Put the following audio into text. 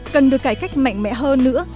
cần được cải cách mạnh mẽ hơn nữa